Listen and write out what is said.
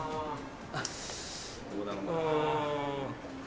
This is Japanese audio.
どうなんだろうな。